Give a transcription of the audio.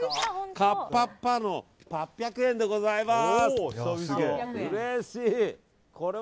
カッパッパの８００円でございます。